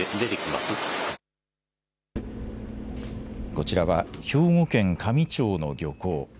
こちらは兵庫県香美町の漁港。